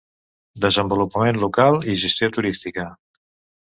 Desenvolupament local i gestió turística.